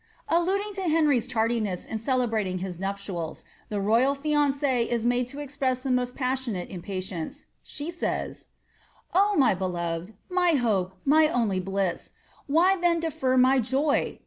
SLIXABSTH OF YOR|L« ADuding to Heniy^s tardiness in celebrating his nuptials, the toyal Jumcit is made to express the most passionate impatience ; she says .«" Oh I mjr beloved, mj hope, my onlf bliss, Why then defer my joy